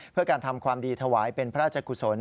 เพื่อการทำความดีถวายเป็นพระราชกุศล